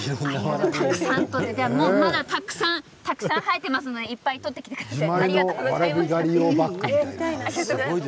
たくさん採ってまだたくさん生えていますのでいっぱい狩ってきてください。